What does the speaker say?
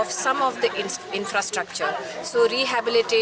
jadi memperkstenai infrastruktur di saliva